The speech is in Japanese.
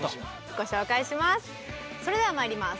ご紹介します。